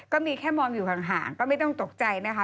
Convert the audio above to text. ก็มีแค่มองอยู่ห่างก็ไม่ต้องตกใจนะคะ